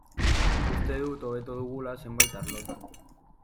Uste dut hobetu dugula zenbait arlotan.